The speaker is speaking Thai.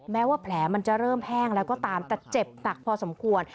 แม้ว่าแผลมันจะเริ่มแห้งแล้วก็ตามแต่เจ็บหนักพอสมควร